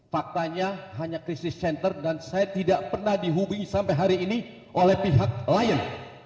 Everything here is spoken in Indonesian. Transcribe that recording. faktanya hanya krisis center dan saya tidak pernah dihubungi sampai hari ini oleh pihak lion